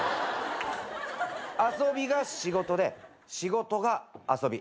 遊びが仕事で仕事が遊び。